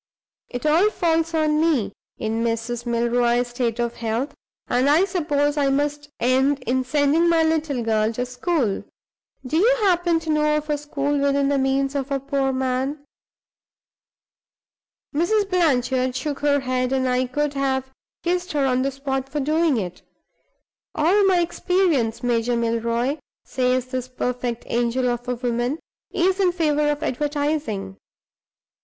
It all falls on me, in Mrs. Milroy's state of health, and I suppose I must end in sending my little girl to school. Do you happen to know of a school within the means of a poor man?' Mrs. Blanchard shook her head; I could have kissed her on the spot for doing it. 'All my experience, Major Milroy,' says this perfect angel of a woman, 'is in favor of advertising.